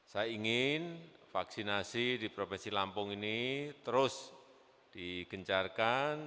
saya ingin vaksinasi di provinsi lampung ini terus digencarkan